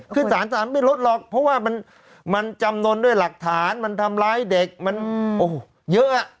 คือสารสารไม่ลดหรอกเพราะว่ามันจำนวนด้วยหลักฐานมันทำร้ายเด็กมันโอ้โหเยอะ